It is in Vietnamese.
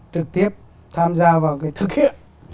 trực tiếp tham gia vào cái thực hiện